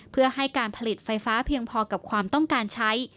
เพื่อให้การผลิตไฟฟ้าเพียงพอกับความต้องการใช้